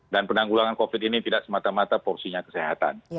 dan penanggulangan covid ini tidak semata mata porsinya kesehatan